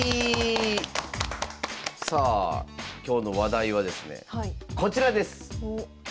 さあ今日の話題はですねこちらです。